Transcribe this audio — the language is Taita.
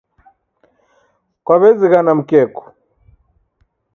Kwaw'ezighana mkeku